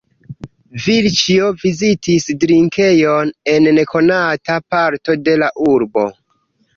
Vilĉjo vizitis drinkejon en nekonata parto de la urbo.